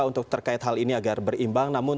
untuk terkait hal ini agar berimbang namun